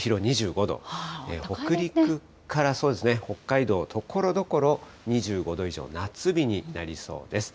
そうですね、北陸から北海道、ところどころ２５度以上、夏日になりそうです。